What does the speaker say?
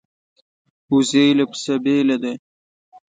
وزې له پسه بېله ده